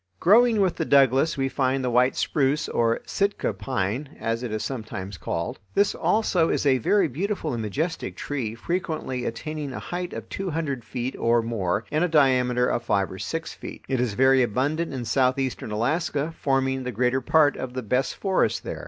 Growing with the Douglas we find the white spruce, or "Sitka pine," as it is sometimes called. This also is a very beautiful and majestic tree, frequently attaining a height of two hundred feet or more and a diameter of five or six feet. It is very abundant in southeastern Alaska, forming the greater part of the best forests there.